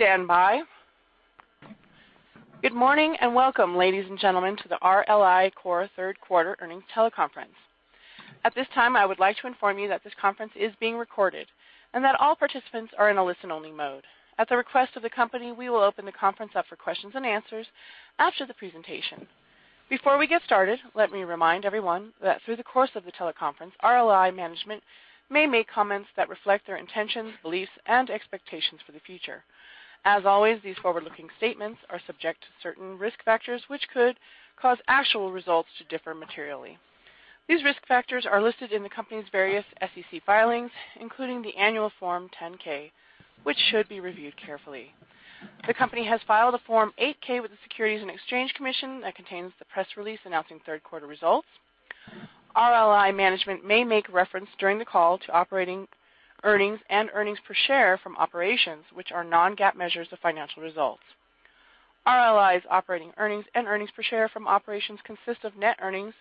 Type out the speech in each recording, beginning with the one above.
Please stand by. Good morning and welcome, ladies and gentlemen, to the RLI Corp third quarter earnings teleconference. At this time, I would like to inform you that this conference is being recorded and that all participants are in a listen-only mode. At the request of the company, we will open the conference up for questions and answers after the presentation. Before we get started, let me remind everyone that through the course of the teleconference, RLI management may make comments that reflect their intentions, beliefs, and expectations for the future. As always, these forward-looking statements are subject to certain risk factors which could cause actual results to differ materially. These risk factors are listed in the company's various SEC filings, including the annual Form 10-K, which should be reviewed carefully. The company has filed a Form 8-K with the Securities and Exchange Commission that contains the press release announcing third quarter results. RLI management may make reference during the call to operating earnings and earnings per share from operations, which are non-GAAP measures of financial results. RLI's operating earnings and earnings per share from operations consist of net earnings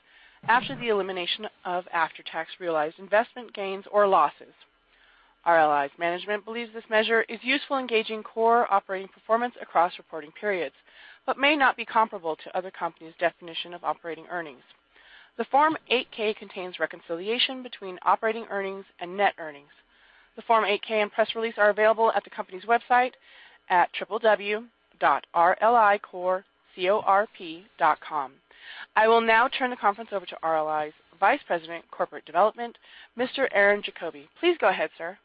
after the elimination of after-tax realized investment gains or losses. RLI's management believes this measure is useful in gauging core operating performance across reporting periods but may not be comparable to other companies' definition of operating earnings. The Form 8-K contains reconciliation between operating earnings and net earnings. The Form 8-K and press release are available at the company's website at www.rlicorp, C-O-R-P, .com. I will now turn the conference over to RLI's Vice President of Corporate Development, Mr. Aaron Diefenthaler. Please go ahead, sir.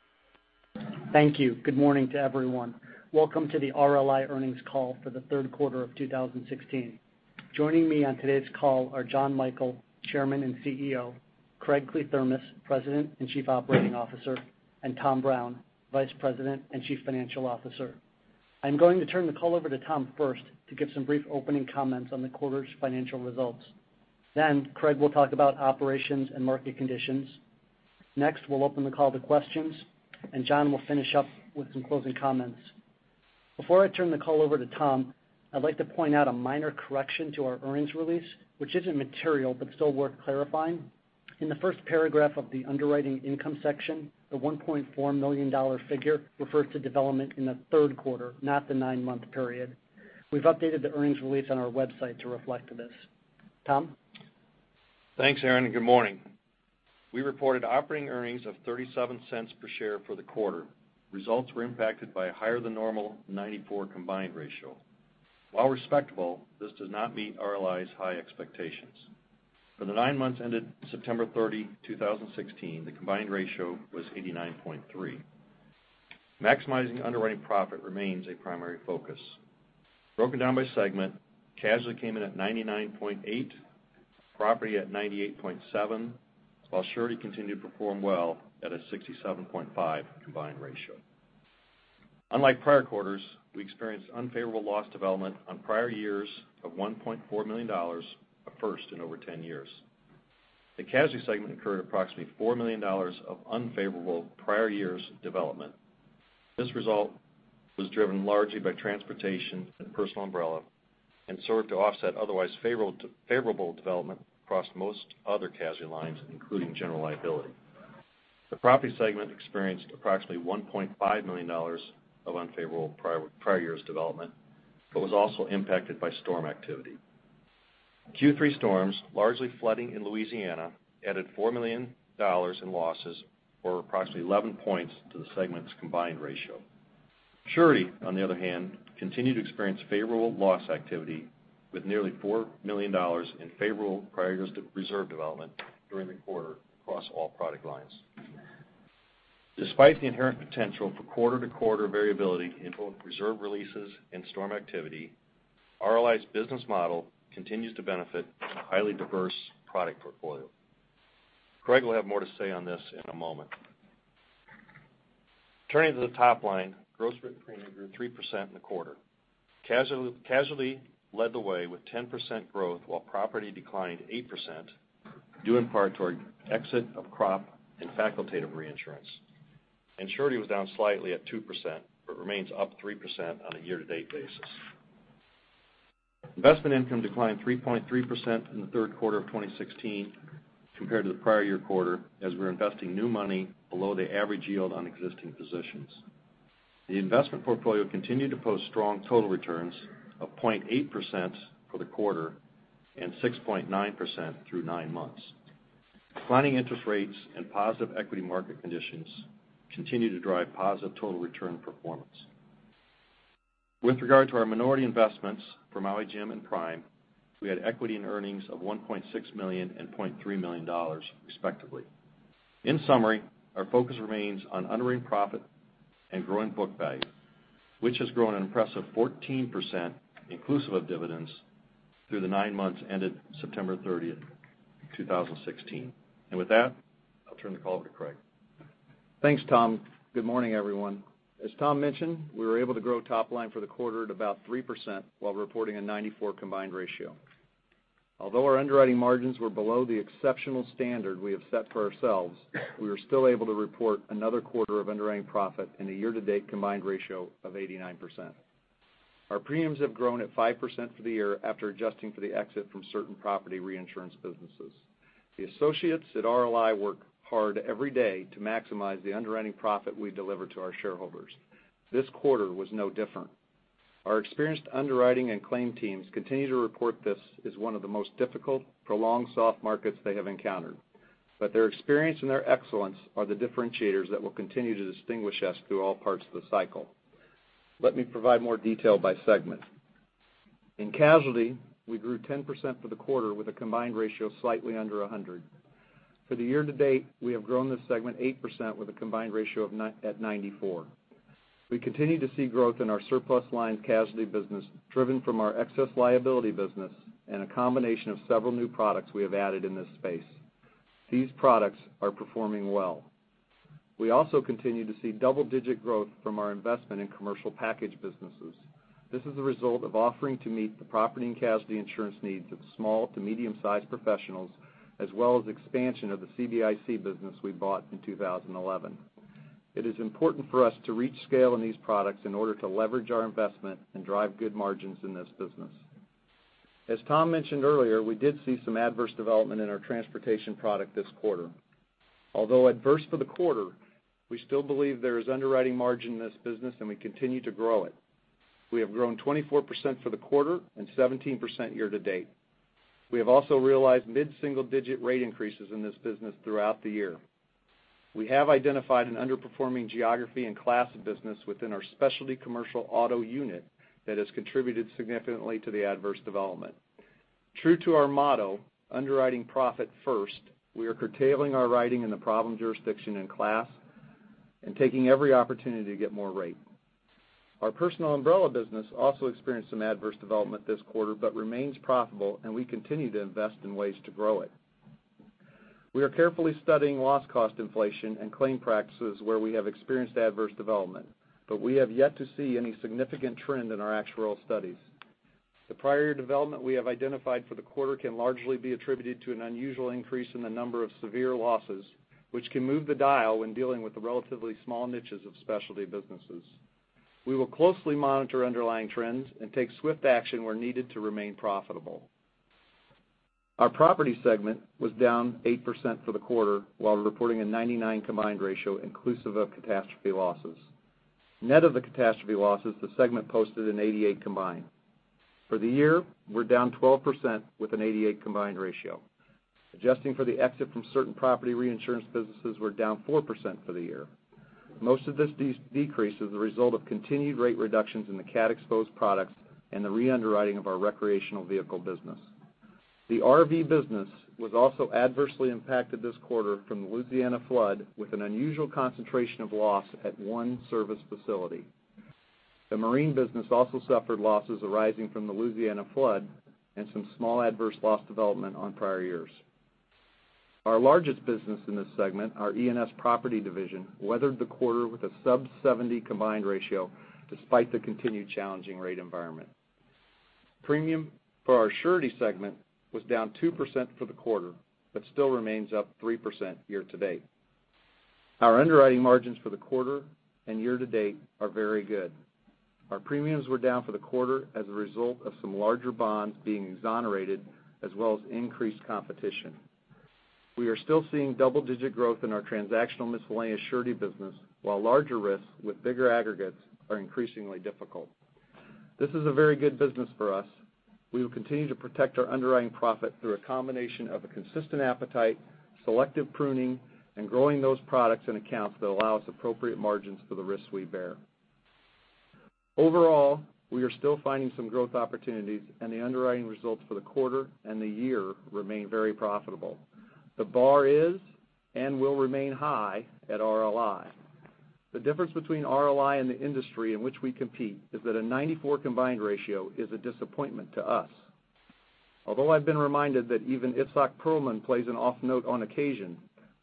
Thank you. Good morning to everyone. Welcome to the RLI earnings call for the third quarter of 2016. Joining me on today's call are John Michael, Chairman and CEO, Craig Kliethermes, President and Chief Operating Officer, and Tom Brown, Vice President and Chief Financial Officer. I'm going to turn the call over to Tom first to give some brief opening comments on the quarter's financial results. Craig will talk about operations and market conditions. Next, we'll open the call to questions, John will finish up with some closing comments. Before I turn the call over to Tom, I'd like to point out a minor correction to our earnings release, which isn't material, but still worth clarifying. In the first paragraph of the underwriting income section, the $1.4 million figure refers to development in the third quarter, not the nine-month period. We've updated the earnings release on our website to reflect this. Tom? Thanks, Aaron. Good morning. We reported operating earnings of $0.37 per share for the quarter. Results were impacted by higher than normal 94 combined ratio. While respectable, this does not meet RLI's high expectations. For the nine months ended September 30, 2016, the combined ratio was 89.3. Maximizing underwriting profit remains a primary focus. Broken down by segment, casualty came in at 99.8, property at 98.7, while surety continued to perform well at a 67.5 combined ratio. Unlike prior quarters, we experienced unfavorable loss development on prior years of $1.4 million, a first in over 10 years. The casualty segment incurred approximately $4 million of unfavorable prior year's development. This result was driven largely by transportation and personal umbrella and served to offset otherwise favorable development across most other casualty lines, including general liability. The property segment experienced approximately $1.5 million of unfavorable prior year's development, was also impacted by storm activity. Q3 storms, largely flooding in Louisiana, added $4 million in losses or approximately 11 points to the segment's combined ratio. Surety, on the other hand, continued to experience favorable loss activity with nearly $4 million in favorable prior year's reserve development during the quarter across all product lines. Despite the inherent potential for quarter-to-quarter variability in both reserve releases and storm activity, RLI's business model continues to benefit from a highly diverse product portfolio. Craig will have more to say on this in a moment. Turning to the top line, gross written premium grew 3% in the quarter. Casualty led the way with 10% growth, while property declined 8%, due in part to our exit of crop and facultative reinsurance. Surety was down slightly at 2%, but remains up 3% on a year-to-date basis. Investment income declined 3.3% in the third quarter of 2016 compared to the prior year quarter, as we're investing new money below the average yield on existing positions. The investment portfolio continued to post strong total returns of 0.8% for the quarter and 6.9% through nine months. Declining interest rates and positive equity market conditions continue to drive positive total return performance. With regard to our minority investments for Maui Jim and Prime, we had equity and earnings of $1.6 million and $0.3 million, respectively. In summary, our focus remains on underwriting profit and growing book value, which has grown an impressive 14%, inclusive of dividends, through the nine months ended September 30, 2016. With that, I'll turn the call over to Craig. Thanks, Tom. Good morning, everyone. As Tom mentioned, we were able to grow top line for the quarter at about 3% while reporting a 94 combined ratio. Although our underwriting margins were below the exceptional standard we have set for ourselves, we were still able to report another quarter of underwriting profit and a year-to-date combined ratio of 89%. Our premiums have grown at 5% for the year after adjusting for the exit from certain property reinsurance businesses. The associates at RLI work hard every day to maximize the underwriting profit we deliver to our shareholders. This quarter was no different. Our experienced underwriting and claim teams continue to report this as one of the most difficult, prolonged soft markets they have encountered. Their experience and their excellence are the differentiators that will continue to distinguish us through all parts of the cycle. Let me provide more detail by segment. In casualty, we grew 10% for the quarter with a combined ratio slightly under 100. For the year to date, we have grown this segment 8% with a combined ratio at 94. We continue to see growth in our surplus lines casualty business driven from our excess liability business and a combination of several new products we have added in this space. These products are performing well. We also continue to see double-digit growth from our investment in commercial package businesses. This is a result of offering to meet the property and casualty insurance needs of small to medium-sized professionals, as well as expansion of the CBIC business we bought in 2011. It is important for us to reach scale in these products in order to leverage our investment and drive good margins in this business. As Tom mentioned earlier, we did see some adverse development in our transportation product this quarter. Although adverse for the quarter, we still believe there is underwriting margin in this business, and we continue to grow it. We have grown 24% for the quarter and 17% year to date. We have also realized mid-single-digit rate increases in this business throughout the year. We have identified an underperforming geography and class of business within our specialty commercial auto unit that has contributed significantly to the adverse development. True to our motto, underwriting profit first, we are curtailing our writing in the problem jurisdiction and class and taking every opportunity to get more rate. Our personal umbrella business also experienced some adverse development this quarter but remains profitable, and we continue to invest in ways to grow it. We are carefully studying loss cost inflation and claim practices where we have experienced adverse development, but we have yet to see any significant trend in our actuarial studies. The prior year development we have identified for the quarter can largely be attributed to an unusual increase in the number of severe losses, which can move the dial when dealing with the relatively small niches of specialty businesses. We will closely monitor underlying trends and take swift action where needed to remain profitable. Our property segment was down 8% for the quarter, while reporting a 99 combined ratio inclusive of catastrophe losses. Net of the catastrophe losses, the segment posted an 88 combined. For the year, we're down 12% with an 88 combined ratio. Adjusting for the exit from certain property reinsurance businesses, we're down 4% for the year. Most of this decrease is the result of continued rate reductions in the cat exposed products and the re-underwriting of our recreational vehicle business. The RV business was also adversely impacted this quarter from the Louisiana flood with an unusual concentration of loss at one service facility. The marine business also suffered losses arising from the Louisiana flood and some small adverse loss development on prior years. Our largest business in this segment, our E&S property division, weathered the quarter with a sub 70 combined ratio despite the continued challenging rate environment. Premium for our surety segment was down 2% for the quarter, but still remains up 3% year to date. Our underwriting margins for the quarter and year to date are very good. Our premiums were down for the quarter as a result of some larger bonds being exonerated as well as increased competition. We are still seeing double-digit growth in our transactional miscellaneous surety business, while larger risks with bigger aggregates are increasingly difficult. This is a very good business for us. We will continue to protect our underwriting profit through a combination of a consistent appetite, selective pruning, and growing those products and accounts that allow us appropriate margins for the risks we bear. Overall, we are still finding some growth opportunities, and the underwriting results for the quarter and the year remain very profitable. The bar is and will remain high at RLI. The difference between RLI and the industry in which we compete is that a 94 combined ratio is a disappointment to us. Although I've been reminded that even Itzhak Perlman plays an off note on occasion,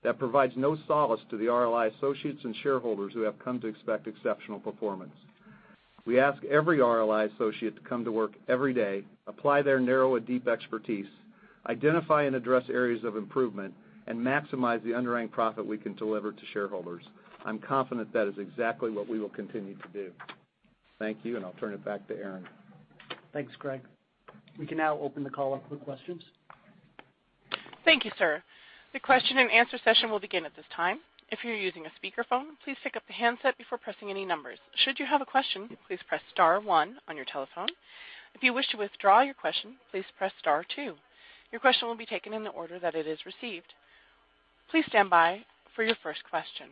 that provides no solace to the RLI associates and shareholders who have come to expect exceptional performance. We ask every RLI associate to come to work every day, apply their narrow and deep expertise, identify and address areas of improvement, and maximize the underwriting profit we can deliver to shareholders. I'm confident that is exactly what we will continue to do. Thank you. I'll turn it back to Aaron. Thanks, Craig. We can now open the call up for questions. Thank you, sir. The question and answer session will begin at this time. If you're using a speakerphone, please pick up the handset before pressing any numbers. Should you have a question, please press star one on your telephone. If you wish to withdraw your question, please press star two. Your question will be taken in the order that it is received. Please stand by for your first question.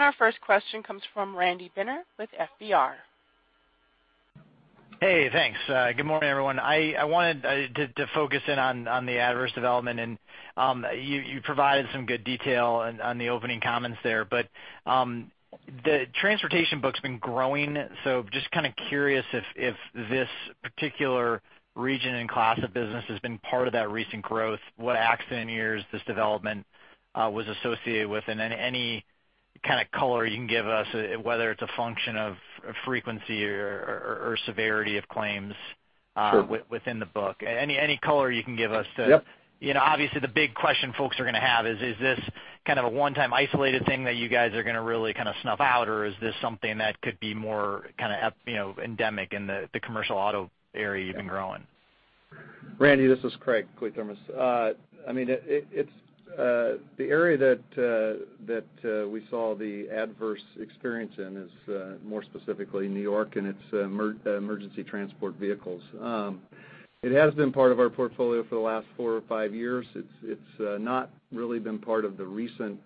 Our first question comes from Randy Binner with FBR. Hey, thanks. Good morning, everyone. I wanted to focus in on the adverse development. You provided some good detail on the opening comments there. The transportation book's been growing, just kind of curious if this particular region and class of business has been part of that recent growth, what accident years this development was associated with, and then any kind of color you can give us, whether it's a function of frequency or severity of claims? Sure within the book. Yep. Obviously, the big question folks are going to have is: Is this a one-time isolated thing that you guys are going to really snuff out, or is this something that could be more endemic in the commercial auto area you've been growing? Randy, this is Craig Kliethermes. The area that we saw the adverse experience in is more specifically New York and its emergency transport vehicles. It has been part of our portfolio for the last four or five years. It's not really been part of the recent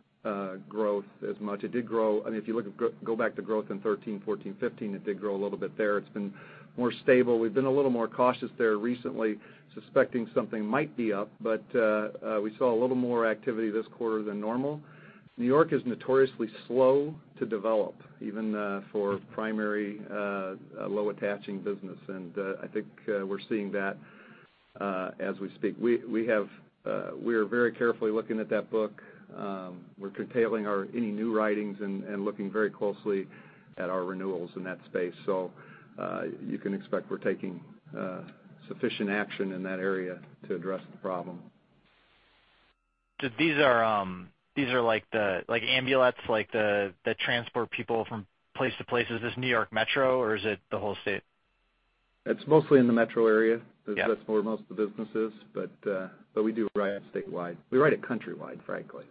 growth as much. It did grow. If you go back to growth in 2013, 2014, 2015, it did grow a little bit there. It's been more stable. We've been a little more cautious there recently, suspecting something might be up. We saw a little more activity this quarter than normal. New York is notoriously slow to develop, even for primary low attaching business. I think we're seeing that as we speak. We are very carefully looking at that book. We're curtailing any new writings and looking very closely at our renewals in that space. You can expect we're taking sufficient action in that area to address the problem. These are like ambulettes that transport people from place to place. Is this New York Metro or is it the whole state? It's mostly in the Metro area. Yeah. That's where most of the business is. We do ride statewide. We ride it countrywide, frankly. Okay.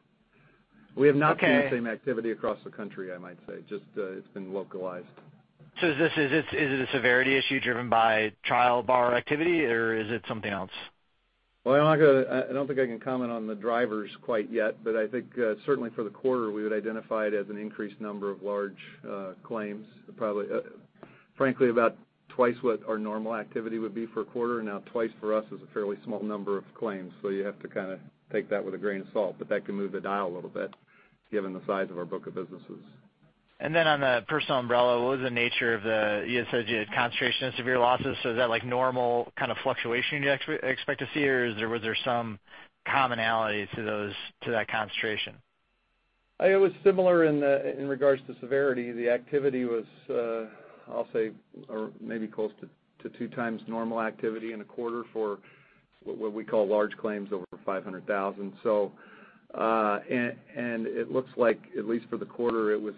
We have not seen the same activity across the country, I might say. Just it's been localized. Is it a severity issue driven by trial bar activity, or is it something else? Well, I don't think I can comment on the drivers quite yet, but I think certainly for the quarter, we would identify it as an increased number of large claims. Frankly, about twice what our normal activity would be for a quarter. Twice for us is a fairly small number of claims, so you have to take that with a grain of salt. That can move the dial a little bit given the size of our book of businesses. On the personal umbrella, what was the nature of the you said you had concentration of severe losses. Is that like normal kind of fluctuation you expect to see, or was there some commonality to that concentration? It was similar in regards to severity. The activity was, I'll say, maybe close to two times normal activity in a quarter for what we call large claims over 500,000. It looks like, at least for the quarter, it was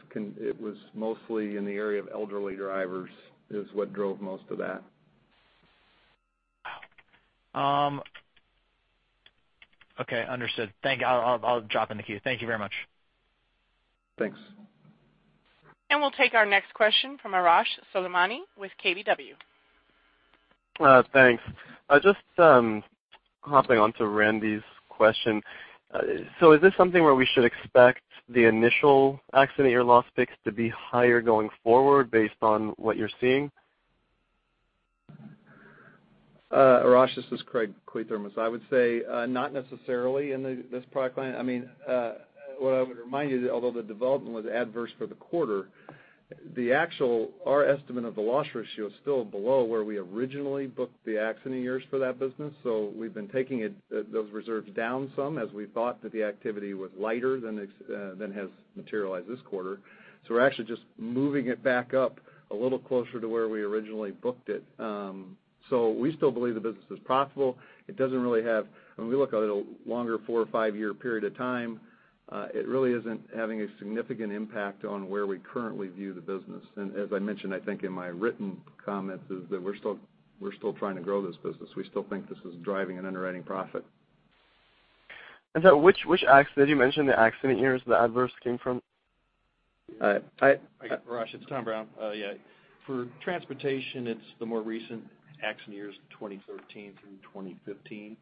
mostly in the area of elderly drivers, is what drove most of that. Okay. Understood. Thank you. I'll drop in the queue. Thank you very much. Thanks. We'll take our next question from Arash Soleimani with KBW. Thanks. Just hopping onto Randy's question. Is this something where we should expect the initial accident year loss picks to be higher going forward based on what you're seeing? Arash, this is Craig Kliethermes. I would say not necessarily in this product line. What I would remind you, although the development was adverse for the quarter, our estimate of the loss ratio is still below where we originally booked the accident years for that business. We've been taking those reserves down some as we thought that the activity was lighter than has materialized this quarter. We're actually just moving it back up a little closer to where we originally booked it. We still believe the business is profitable. When we look at a longer four or five-year period of time, it really isn't having a significant impact on where we currently view the business. As I mentioned, I think in my written comments, is that we're still trying to grow this business. We still think this is driving an underwriting profit. Which accident did you mention the accident years the adverse came from? Arash, it's Tom Brown. Yeah. For transportation, it's the more recent accident years 2013 through 2015,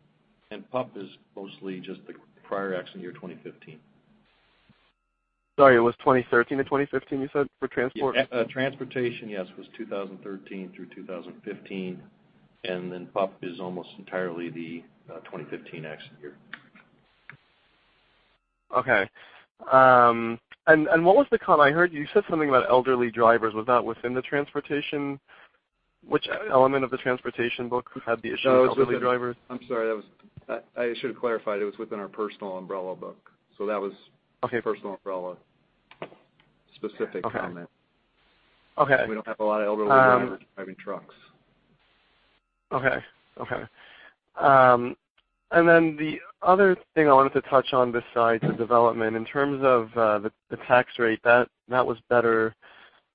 and PUP is mostly just the prior accident year 2015. Sorry, it was 2013 to 2015 you said for transportation? Transportation, yes, was 2013 through 2015. PUP is almost entirely the 2015 accident year. Okay. You said something about elderly drivers. Was that within the transportation? Which element of the transportation book had the issue with elderly drivers? I'm sorry. I should have clarified. It was within our personal umbrella book. Okay Personal umbrella specific comment. Okay. We don't have a lot of elderly drivers driving trucks. Okay. The other thing I wanted to touch on beside the development, in terms of the tax rate, that was better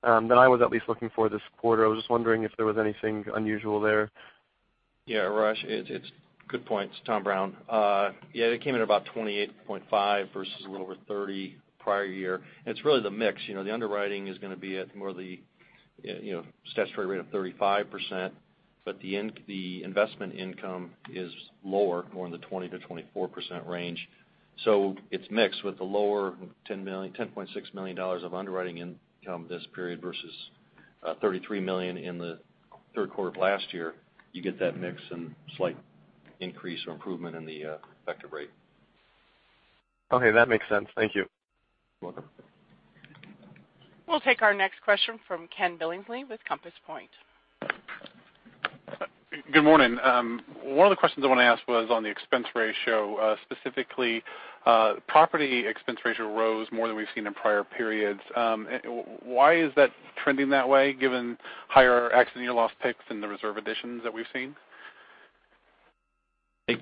than I was at least looking for this quarter. I was just wondering if there was anything unusual there. Yeah, Arash. Good points. Tom Brown. Yeah, it came in about 28.5% versus a little over 30% prior year. It's really the mix. The underwriting is going to be at more the statutory rate of 35%, but the investment income is lower, more in the 20%-24% range. It's mixed with the lower $10.6 million of underwriting income this period versus $33 million in the third quarter of last year. You get that mix and slight increase or improvement in the effective rate. Okay. That makes sense. Thank you. You're welcome. We'll take our next question from Ken Billingsley with Compass Point. Good morning. One of the questions I want to ask was on the expense ratio, specifically property expense ratio rose more than we've seen in prior periods. Why is that trending that way given higher accident year loss picks than the reserve additions that we've seen? Hey,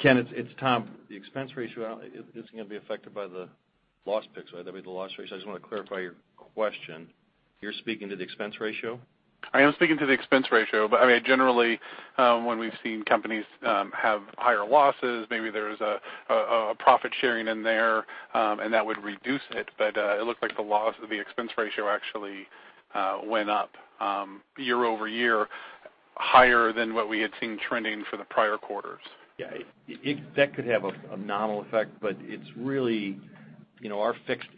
Ken, it's Tom. The expense ratio, is it going to be affected by the loss picks? That'd be the loss ratio. I just want to clarify your question. You're speaking to the expense ratio? I am speaking to the expense ratio, Generally, when we've seen companies have higher losses, maybe there's a profit sharing in there, and that would reduce it. It looked like the loss of the expense ratio actually went up year-over-year, higher than what we had seen trending for the prior quarters. Yes. That could have a nominal effect, Our fixed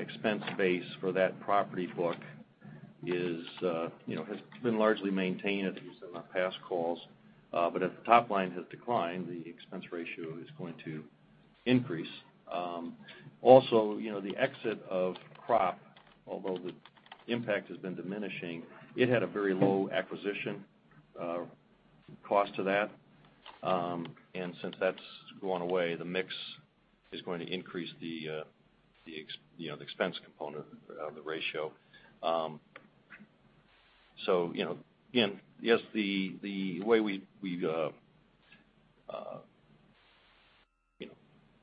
expense base for that property book has been largely maintained, as we've said on past calls. If the top line has declined, the expense ratio is going to increase. Also, the exit of crop, although the impact has been diminishing, it had a very low acquisition cost to that. Since that's gone away, the mix is going to increase the expense component of the ratio. Again, yes, the way we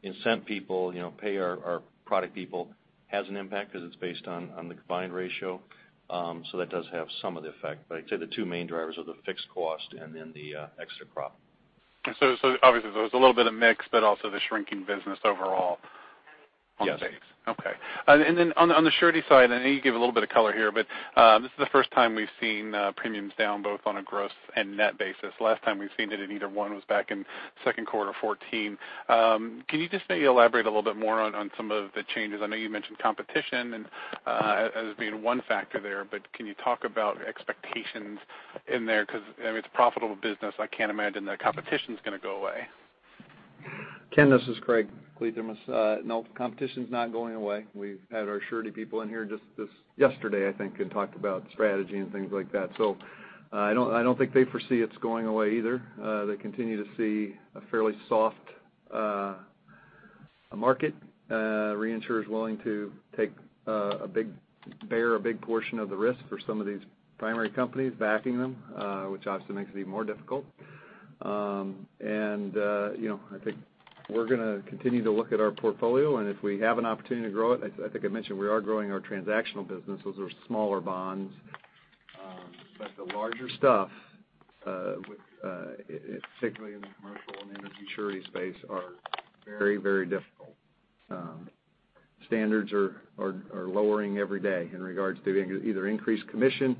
incent people, pay our product people, has an impact because it's based on the combined ratio. That does have some of the effect. I'd say the two main drivers are the fixed cost and then the exit crop. Obviously, there was a little bit of mix, Also the shrinking business overall on the base. Yes. Okay. Then on the surety side, I know you gave a little bit of color here, This is the first time we've seen premiums down both on a gross and net basis. Last time we've seen it in either one was back in second quarter 2014. Can you just maybe elaborate a little bit more on some of the changes? I know you mentioned competition as being one factor there, Can you talk about expectations in there? It's a profitable business. I can't imagine that competition's going to go away. Ken, this is Craig Kliethermes. Competition's not going away. We've had our surety people in here just yesterday, I think, and talked about strategy and things like that. I don't think they foresee it's going away either. They continue to see a fairly soft market, reinsurers willing to bear a big portion of the risk for some of these primary companies backing them, which obviously makes it even more difficult. I think we're going to continue to look at our portfolio, and if we have an opportunity to grow it, I think I mentioned we are growing our transactional business. Those are smaller bonds. The larger stuff, particularly in the commercial and energy surety space, are very difficult. Standards are lowering every day in regards to either increased commission,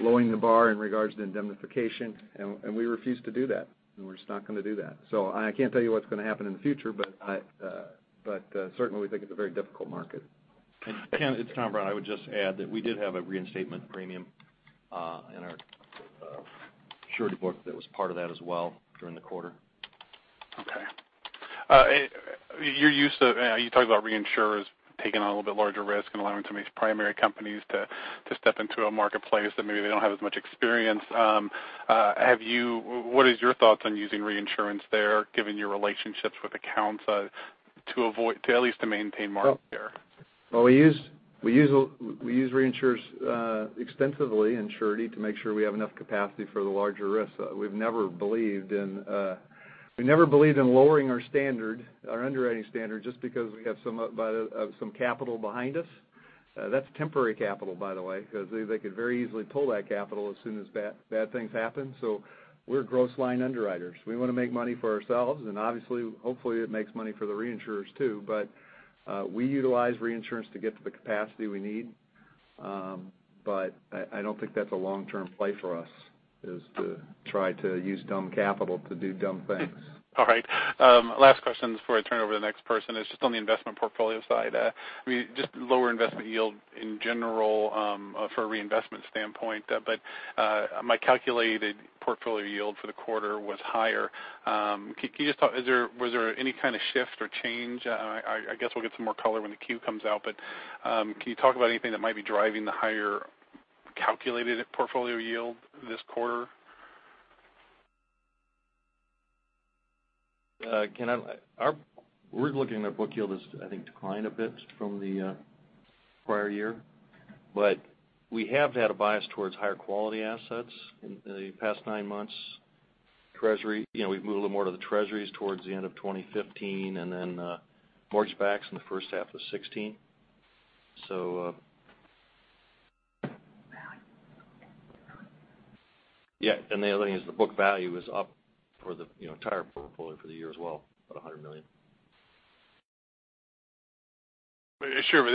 lowering the bar in regards to indemnification, and we refuse to do that. We're just not going to do that. I can't tell you what's going to happen in the future, but certainly we think it's a very difficult market. Ken, it's Tom Brown. I would just add that we did have a reinstatement premium in our surety book that was part of that as well during the quarter. Okay. You talked about reinsurers taking on a little bit larger risk and allowing some of these primary companies to step into a marketplace that maybe they don't have as much experience. What is your thoughts on using reinsurance there, given your relationships with accounts to at least maintain market share? Well, we use reinsurers extensively in surety to make sure we have enough capacity for the larger risks. We've never believed in lowering our underwriting standard just because we have some capital behind us. That's temporary capital, by the way, because they could very easily pull that capital as soon as bad things happen. We're gross line underwriters. We want to make money for ourselves, and obviously, hopefully, it makes money for the reinsurers too. We utilize reinsurance to get to the capacity we need. I don't think that's a long-term play for us, is to try to use dumb capital to do dumb things. All right. Last question before I turn it over to the next person is just on the investment portfolio side. Just lower investment yield in general for a reinvestment standpoint. My calculated portfolio yield for the quarter was higher. Was there any kind of shift or change? I guess we'll get some more color when the Q comes out, but can you talk about anything that might be driving the higher calculated portfolio yield this quarter? Ken, we're looking at our book yield has, I think, declined a bit from the prior year. We have had a bias towards higher quality assets in the past nine months. We've moved a little more to the Treasuries towards the end of 2015 and then mortgage backs in the first half of 2016. The other thing is the book value is up for the entire portfolio for the year as well, about $100 million. Sure.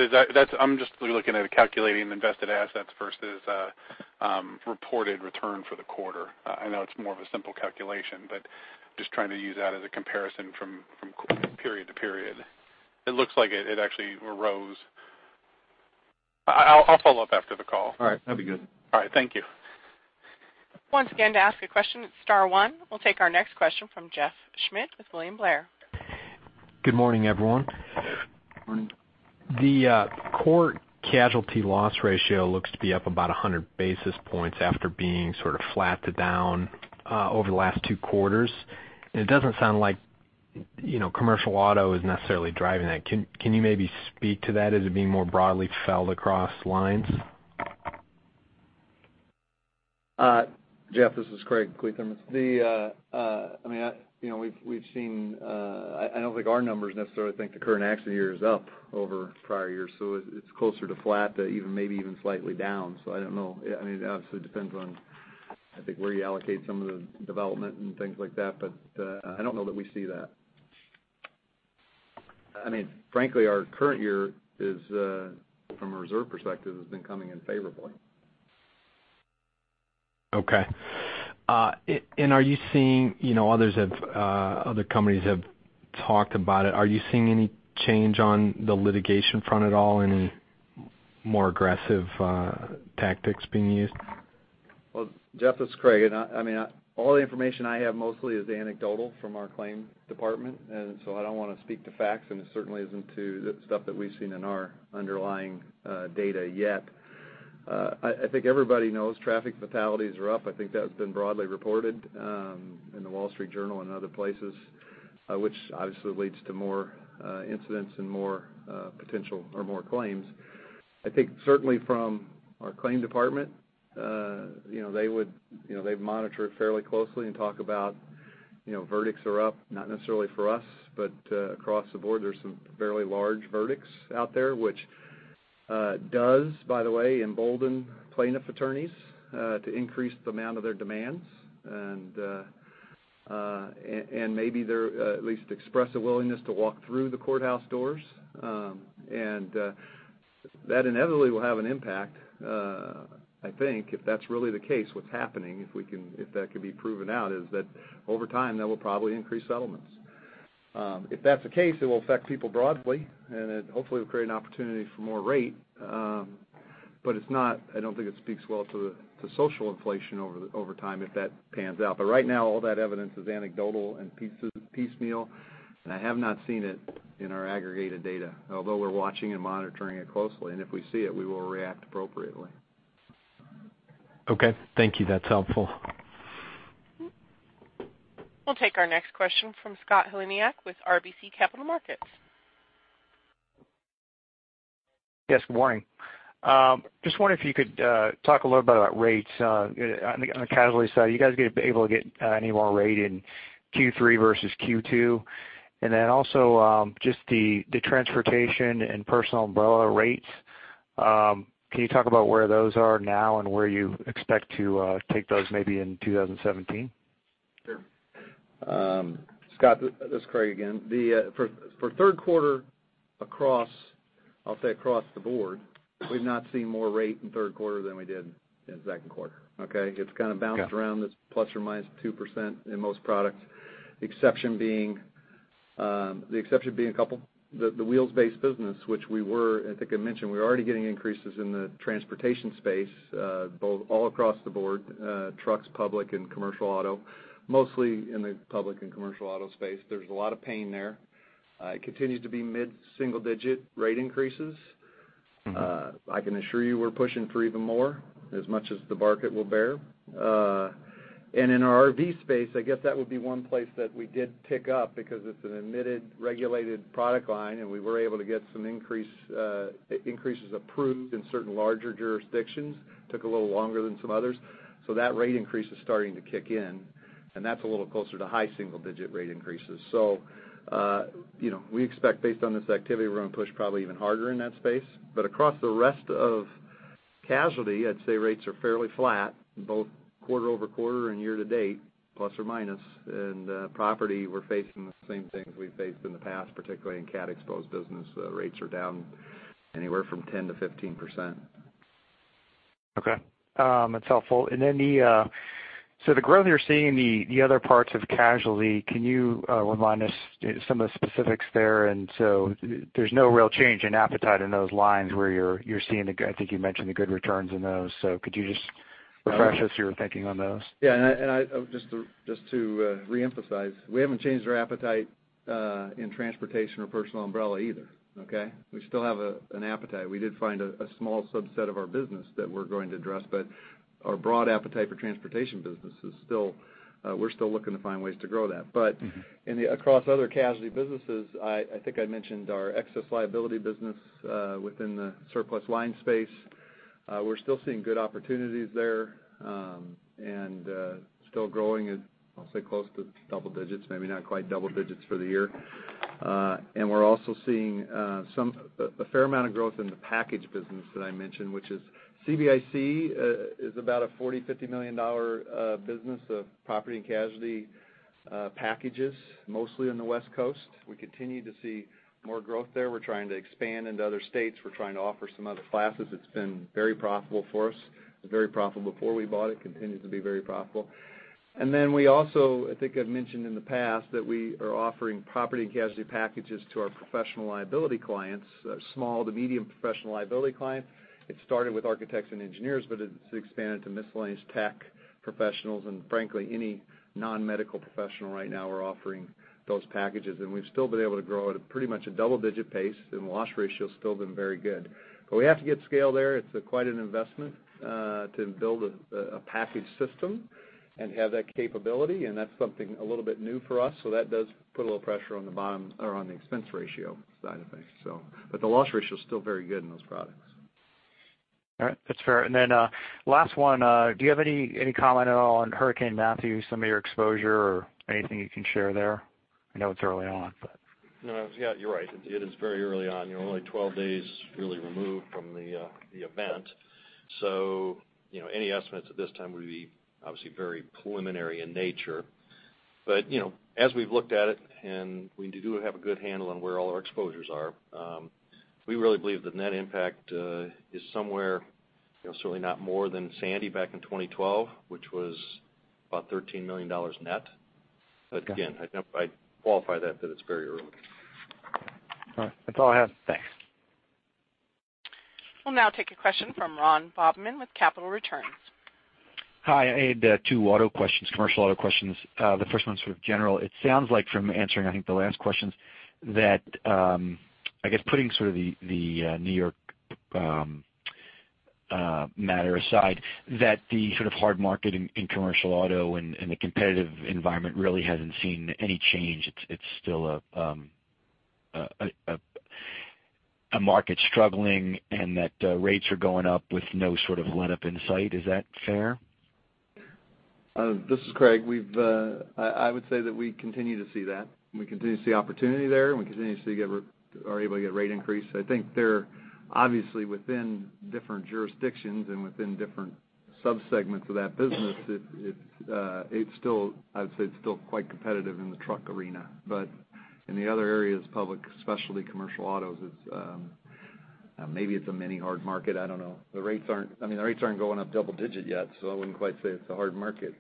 I'm just looking at calculating invested assets versus reported return for the quarter. I know it's more of a simple calculation, but just trying to use that as a comparison from period to period. It looks like it actually rose. I'll follow up after the call. All right. That'd be good. All right. Thank you. Once again, to ask a question, it's star one. We'll take our next question from Jeff Schmitt with William Blair. Good morning, everyone. Morning. The core casualty loss ratio looks to be up about 100 basis points after being sort of flat to down over the last two quarters. It doesn't sound like commercial auto is necessarily driving that. Can you maybe speak to that as it being more broadly felt across lines? Jeff, this is Craig Kliethermes. I don't think our numbers necessarily think the current accident year is up over prior years, it's closer to flat to even maybe even slightly down. I don't know. It obviously depends on, I think, where you allocate some of the development and things like that, but I don't know that we see that. Frankly, our current year, from a reserve perspective, has been coming in favorably. Okay. Other companies have talked about it. Are you seeing any change on the litigation front at all, any more aggressive tactics being used? Well, Jeff, this is Craig. All the information I have mostly is anecdotal from our claim department, I don't want to speak to facts, it certainly isn't to the stuff that we've seen in our underlying data yet. I think everybody knows traffic fatalities are up. I think that's been broadly reported in The Wall Street Journal and other places, which obviously leads to more incidents and more potential or more claims. I think certainly from our claim department, they monitor it fairly closely and talk about verdicts are up, not necessarily for us, but across the board, there's some fairly large verdicts out there, which does, by the way, embolden plaintiff attorneys to increase the amount of their demands, and maybe they at least express a willingness to walk through the courthouse doors. That inevitably will have an impact. I think if that's really the case, what's happening, if that could be proven out, is that over time, that will probably increase settlements. If that's the case, it will affect people broadly, and it hopefully will create an opportunity for more rate. I don't think it speaks well to social inflation over time if that pans out. Right now, all that evidence is anecdotal and piecemeal, and I have not seen it in our aggregated data, although we're watching and monitoring it closely, and if we see it, we will react appropriately. Okay. Thank you. That's helpful. We'll take our next question from Scott Heleniak with RBC Capital Markets. Yes, good morning. Just wonder if you could talk a little bit about rates. On the casualty side, you guys able to get any more rate in Q3 versus Q2? Also just the transportation and personal umbrella rates. Can you talk about where those are now and where you expect to take those maybe in 2017? Sure. Scott, this is Craig again. For third quarter, I'll say across the board, we've not seen more rate in third quarter than we did in second quarter, okay? It's kind of bounced around this ±2% in most products. The exception being a couple. The wheels-based business, which I think I mentioned, we're already getting increases in the transportation space all across the board, trucks, public, and commercial auto. Mostly in the public and commercial auto space. There's a lot of pain there. It continues to be mid-single digit rate increases. I can assure you we're pushing for even more, as much as the market will bear. In our RV space, I guess that would be one place that we did pick up because it's an admitted regulated product line, and we were able to get some increases approved in certain larger jurisdictions. Took a little longer than some others. That rate increase is starting to kick in, and that's a little closer to high single digit rate increases. We expect based on this activity, we're going to push probably even harder in that space. Across the rest of casualty, I'd say rates are fairly flat, both quarter-over-quarter and year to date, plus or minus. Property, we're facing the same things we've faced in the past, particularly in cat exposed business. The rates are down anywhere from 10%-15%. Okay. That's helpful. The growth you're seeing in the other parts of casualty, can you remind us some of the specifics there? There's no real change in appetite in those lines where you're seeing, I think you mentioned the good returns in those. Could you just refresh us your thinking on those? Yeah. Just to reemphasize, we haven't changed our appetite in transportation or personal umbrella either, okay? We still have an appetite. We did find a small subset of our business that we're going to address, but our broad appetite for transportation business is still, we're still looking to find ways to grow that. Across other casualty businesses, I think I mentioned our excess liability business within the surplus lines space. We're still seeing good opportunities there, and still growing at, I'll say, close to double digits, maybe not quite double digits for the year. We're also seeing a fair amount of growth in the package business that I mentioned, which is CBIC is about a $40 million-$50 million business of property and casualty packages, mostly on the West Coast. We continue to see more growth there. We're trying to expand into other states. We're trying to offer some other classes. It's been very profitable for us. It was very profitable before we bought it, continues to be very profitable. We also, I think I've mentioned in the past that we are offering property and casualty packages to our professional liability clients, small-to-medium professional liability clients. It started with architects and engineers, but it's expanded to miscellaneous tech professionals, and frankly, any non-medical professional right now we're offering those packages. We've still been able to grow at pretty much a double-digit pace, and loss ratio's still been very good. We have to get scale there. It's quite an investment to build a package system and have that capability, and that's something a little bit new for us. That does put a little pressure on the expense ratio side of things. The loss ratio is still very good in those products. All right. That's fair. Last one, do you have any comment at all on Hurricane Matthew, some of your exposure or anything you can share there? I know it's early on. No, you're right. It is very early on. We're only 12 days really removed from the event. Any estimates at this time would be obviously very preliminary in nature. As we've looked at it, and we do have a good handle on where all our exposures are, we really believe the net impact is somewhere, certainly not more than Sandy back in 2012, which was about $13 million net. Okay. I'd qualify that it's very early. All right. That's all I have. Thanks. We'll now take a question from Ron Bobman with Capital Returns. Hi, I had two auto questions, commercial auto questions. The first one's sort of general. It sounds like from answering, I think, the last questions that, I guess putting sort of the New York matter aside, that the sort of hard market in commercial auto and the competitive environment really hasn't seen any change. It's still a market struggling, and that rates are going up with no sort of letup in sight. Is that fair? This is Craig. I would say that we continue to see that. We continue to see opportunity there, and we continue to are able to get rate increase. I think there are obviously within different jurisdictions and within different subsegments of that business, I would say it's still quite competitive in the truck arena. In the other areas, public, specialty, commercial autos, maybe it's a mini hard market, I don't know. The rates aren't going up double digit yet, I wouldn't quite say it's a hard market.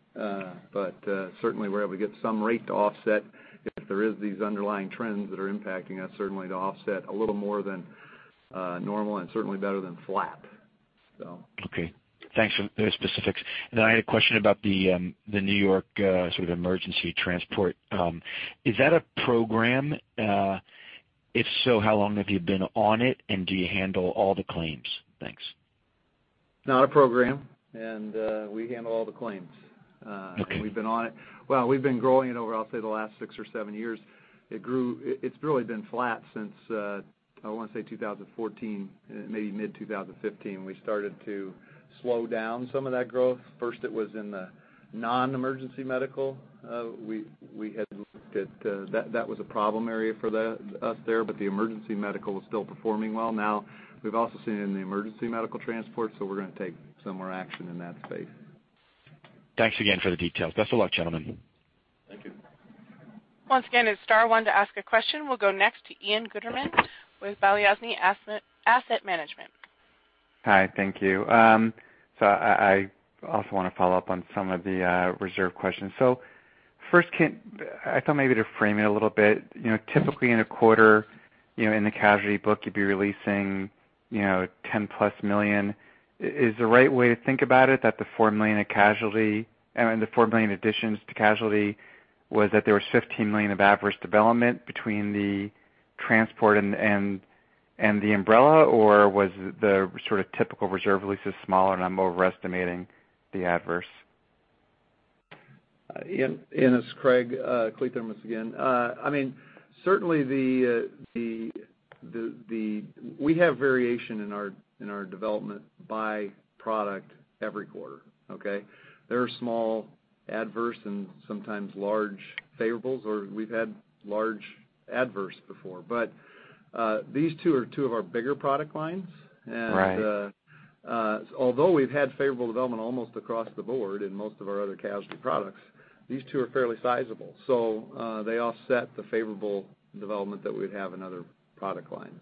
Certainly we're able to get some rate to offset if there is these underlying trends that are impacting us, certainly to offset a little more than normal and certainly better than flat. Okay. Thanks for the specifics. I had a question about the New York sort of emergency transport. Is that a program? If so, how long have you been on it, and do you handle all the claims? Thanks. Not a program, we handle all the claims. Okay. We've been on it. Well, we've been growing it over, I'll say, the last six or seven years. It's really been flat since, I want to say 2014, maybe mid-2015. We started to slow down some of that growth. First it was in the non-emergency medical. We had looked at that. That was a problem area for us there, the emergency medical was still performing well. We've also seen it in the emergency medical transport, we're going to take some more action in that space. Thanks again for the details. Best of luck, gentlemen. Thank you. Once again, it's star one to ask a question. We'll go next to Ian Gutterman with Balyasny Asset Management. Hi, thank you. I also want to follow up on some of the reserve questions. First, I thought maybe to frame it a little bit, typically in a quarter, in the casualty book, you'd be releasing $10+ million. Is the right way to think about it that the $4 million in additions to casualty was that there was $15 million of adverse development between the transport and the umbrella, or was the sort of typical reserve releases smaller, and I'm overestimating the adverse? Ian, it's Craig Kliethermes again. Certainly, we have variation in our development by product every quarter, okay? There are small adverse and sometimes large favorables, or we've had large adverse before. These two are two of our bigger product lines. Right. Although we've had favorable development almost across the board in most of our other casualty products, these two are fairly sizable. They offset the favorable development that we'd have in other product lines.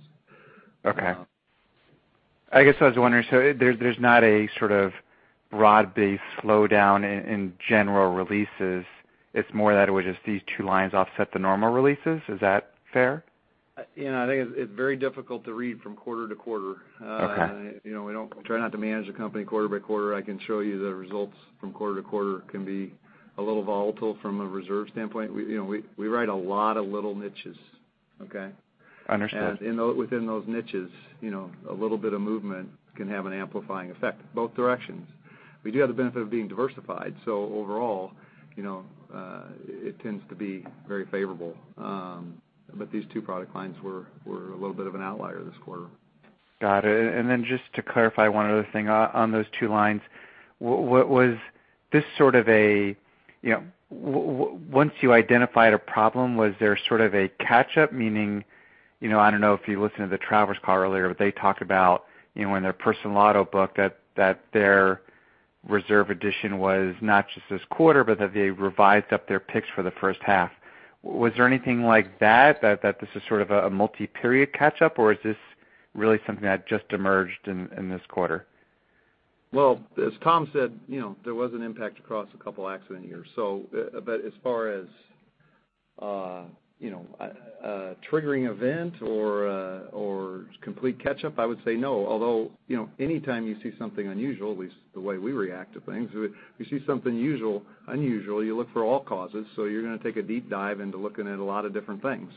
Okay. I guess I was wondering, there's not a sort of broad-based slowdown in general releases. It's more that it was just these two lines offset the normal releases. Is that fair? Ian, I think it's very difficult to read from quarter to quarter. Okay. We try not to manage the company quarter by quarter. I can show you the results from quarter to quarter can be a little volatile from a reserve standpoint. We write a lot of little niches. Okay? Understood. Within those niches, a little bit of movement can have an amplifying effect both directions. We do have the benefit of being diversified, so overall, it tends to be very favorable. These two product lines were a little bit of an outlier this quarter. Got it. Just to clarify one other thing on those two lines, once you identified a problem, was there sort of a catch-up? Meaning, I don't know if you listened to the Travelers call earlier, but they talk about in their personal auto book that their reserve addition was not just this quarter, but that they revised up their picks for the first half. Was there anything like that this is sort of a multi-period catch-up, or is this really something that just emerged in this quarter? As Tom said, there was an impact across a couple accident years. As far as a triggering event or a complete catch-up, I would say no. Although, anytime you see something unusual, at least the way we react to things, you see something unusual, you look for all causes. You're going to take a deep dive into looking at a lot of different things.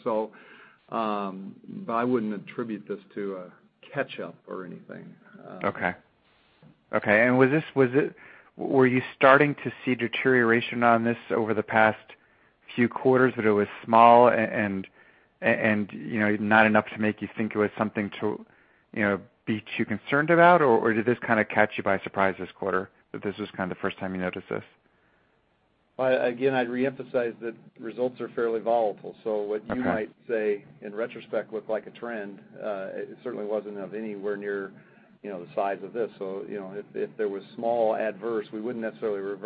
I wouldn't attribute this to a catch-up or anything. Okay. Were you starting to see deterioration on this over the past few quarters, but it was small and not enough to make you think it was something to be too concerned about? Or did this catch you by surprise this quarter, that this is the first time you noticed this? Again, I'd re-emphasize that results are fairly volatile. Okay. What you might say in retrospect looked like a trend, it certainly wasn't of anywhere near the size of this. If there was small adverse, we wouldn't necessarily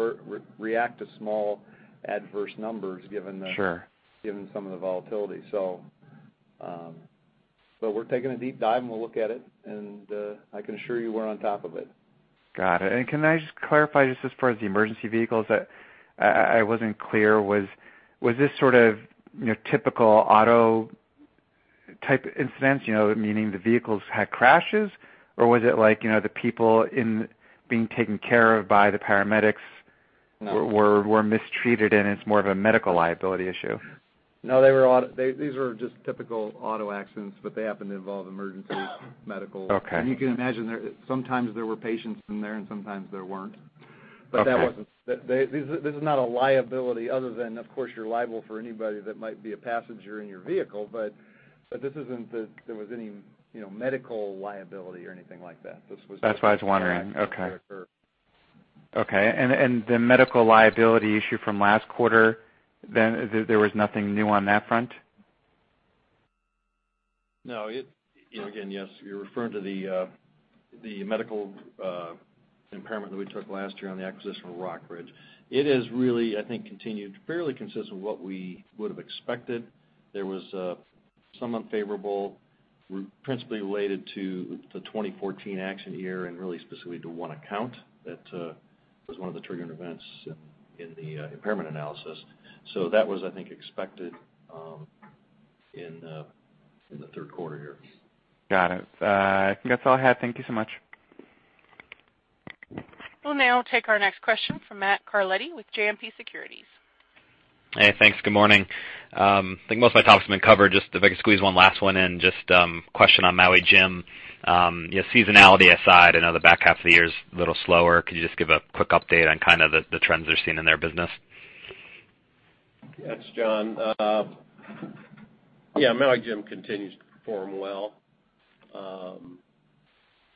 react to small adverse numbers given the- Sure Given some of the volatility. We're taking a deep dive, and we'll look at it, and I can assure you we're on top of it. Got it. Can I just clarify, just as far as the emergency vehicles, I wasn't clear, was this typical auto type incidents, meaning the vehicles had crashes? Or was it the people in being taken care of by the paramedics- No were mistreated and it's more of a medical liability issue? No, these were just typical auto accidents, they happened to involve emergency medical. Okay. You can imagine, sometimes there were patients in there, and sometimes there weren't. Okay. This is not a liability other than, of course, you're liable for anybody that might be a passenger in your vehicle, this isn't that there was any medical liability or anything like that. This was just. That's why I was wondering. Okay. accidents that occur. Okay. The medical liability issue from last quarter, then there was nothing new on that front? No. Again, yes, you're referring to the medical impairment that we took last year on the acquisition of Rockbridge. It has really, I think, continued fairly consistent with what we would've expected. There was some unfavorable principally related to the 2014 accident year, and really specifically to one account that was one of the triggering events in the impairment analysis. That was, I think, expected in the third quarter here. Got it. I think that's all I had. Thank you so much. We'll now take our next question from Matthew Carletti with JMP Securities. Hey, thanks. Good morning. I think most of my talk has been covered. Just if I could squeeze one last one in. Just question on Maui Jim. Seasonality aside, I know the back half of the year is a little slower. Could you just give a quick update on the trends they're seeing in their business? Yes, John. Maui Jim continues to perform well.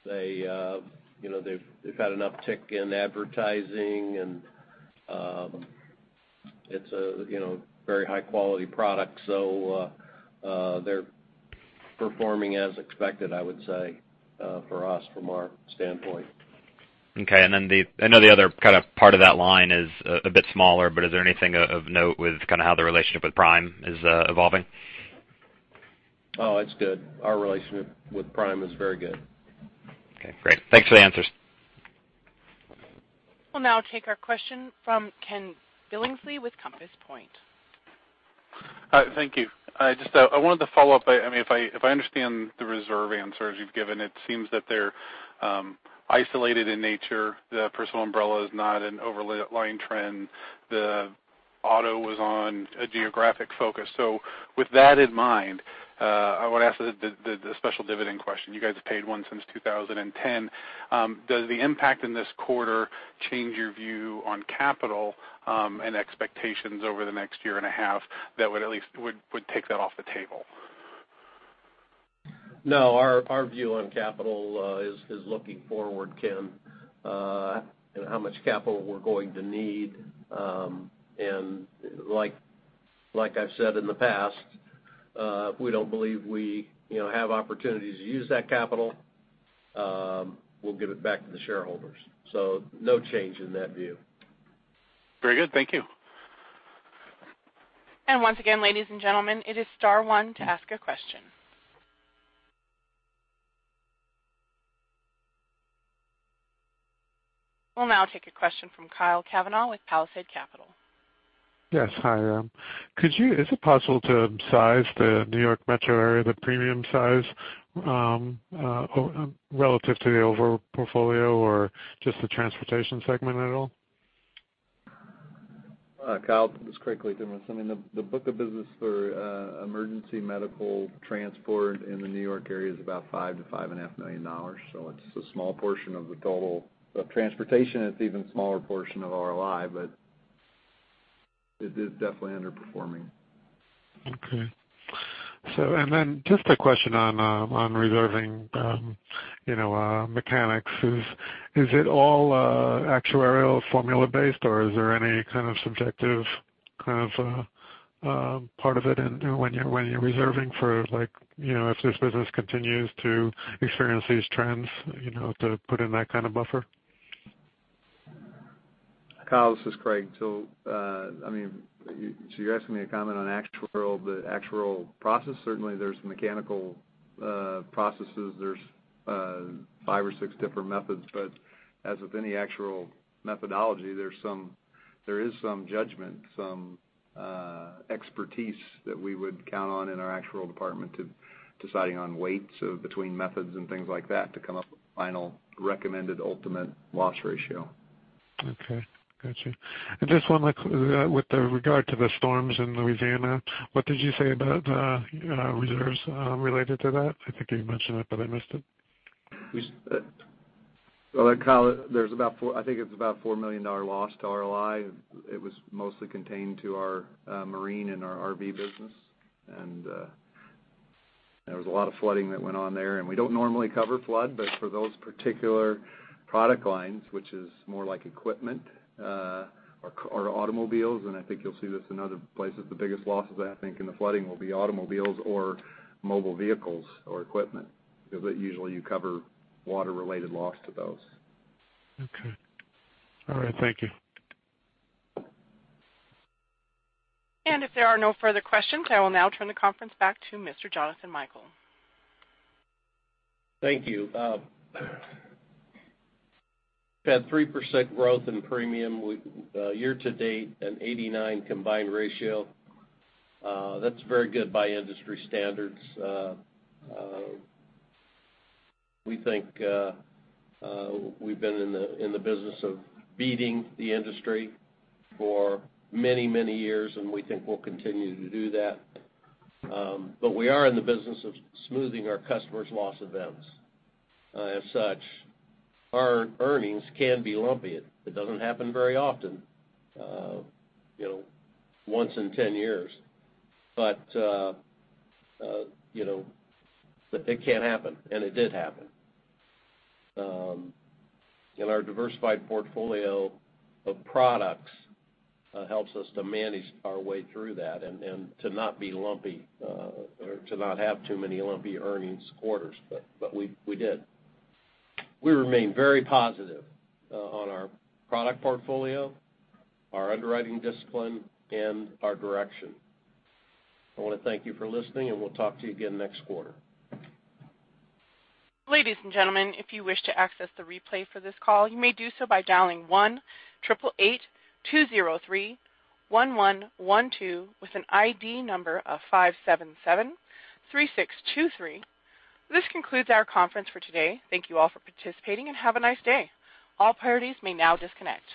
They've had an uptick in advertising and it's a very high-quality product. They're performing as expected, I would say, for us from our standpoint. Okay. I know the other part of that line is a bit smaller, but is there anything of note with how the relationship with Prime is evolving? It's good. Our relationship with Prime is very good. Okay, great. Thanks for the answers. We'll now take our question from Ken Billingsley with Compass Point. Thank you. I wanted to follow up. If I understand the reserve answers you've given, it seems that they're isolated in nature. The personal umbrella is not an overlaying trend. The auto was on a geographic focus. With that in mind, I want to ask the special dividend question. You guys have paid one since 2010. Does the impact in this quarter change your view on capital and expectations over the next year and a half that would at least take that off the table? No, our view on capital is looking forward, Ken, and how much capital we're going to need. Like I've said in the past, if we don't believe we have opportunities to use that capital, we'll give it back to the shareholders. No change in that view. Very good. Thank you. Once again, ladies and gentlemen, it is star one to ask a question. We'll now take a question from Kyle Kavanaugh with Palisade Capital. Yes. Hi. Is it possible to size the New York metro area, the premium size, relative to the overall portfolio or just the transportation segment at all? Kyle Kavanaugh, this is Craig Kliethermes. The book of business for emergency medical transport in the New York area is about $5 million-$5.5 million. It's a small portion of the total of transportation. It's an even smaller portion of RLI, it is definitely underperforming. Okay. Just a question on reserving mechanics. Is it all actuarial formula based, or is there any kind of subjective part of it when you're reserving for if this business continues to experience these trends, to put in that kind of buffer? Kyle, this is Craig. You're asking me a comment on the actuarial process? Certainly, there's mechanical processes. There's five or six different methods. As with any actuarial methodology, there is some judgment, some expertise that we would count on in our actuarial department to deciding on weights between methods and things like that to come up with a final recommended ultimate loss ratio. Okay. Got you. Just one with regard to the storms in Louisiana, what did you say about reserves related to that? I think you mentioned it, but I missed it. Well, Kyle, I think it's about a $4 million loss to RLI. It was mostly contained to our marine and our RV business, there was a lot of flooding that went on there. We don't normally cover flood, for those particular product lines, which is more like equipment or automobiles, I think you'll see this in other places, the biggest losses, I think in the flooding will be automobiles or mobile vehicles or equipment, because usually you cover water related loss to those. Okay. All right. Thank you. If there are no further questions, I will now turn the conference back to Mr. Jonathan Michael. Thank you. We've had 3% growth in premium year to date, an 89 combined ratio. That's very good by industry standards. We think we've been in the business of beating the industry for many years, we think we'll continue to do that. We are in the business of smoothing our customers' loss events. As such, our earnings can be lumpy. It doesn't happen very often, once in 10 years. It can happen, and it did happen. Our diversified portfolio of products helps us to manage our way through that and to not be lumpy or to not have too many lumpy earnings quarters, but we did. We remain very positive on our product portfolio, our underwriting discipline, and our direction. I want to thank you for listening, and we'll talk to you again next quarter. Ladies and gentlemen, if you wish to access the replay for this call, you may do so by dialing 1-888-203-1112 with an ID number of 5773623. This concludes our conference for today. Thank you all for participating and have a nice day. All parties may now disconnect.